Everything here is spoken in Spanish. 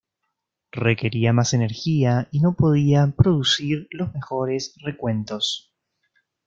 Requería más energía y no podía producir los mejores recuentos.